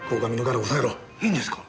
いいんですか？